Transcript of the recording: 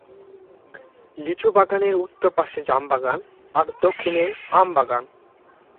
লিচু বাগানের উত্তর পাশে জাম বাগান আর দক্ষিণে আম বাগান।